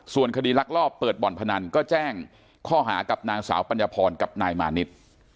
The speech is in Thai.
ส่วนคดีลักลอบเปิดบ่อนพนันก็แจ้งข้อหากับนางสาวปัญญาพรกับนายมานิด